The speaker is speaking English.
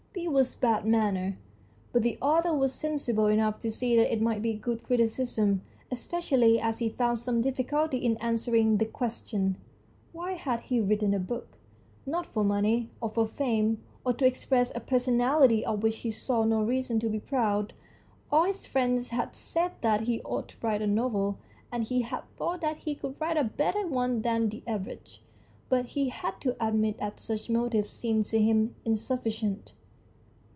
This was bad manners, but the author was sensible enough to see that it might be good criticism, especially as he found some difficulty in answering the question. Why had he written a book ? Not for money, or for fame, or to express a personality of which he saw no reason to be proud. All his friends had said that he ought to write a novel, and he had thought that he could write a better one than the average. But he had to admit that such motives seemed to him insufficient.